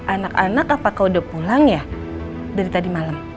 anak anak apa kamu sudah pulang ya dari tadi malam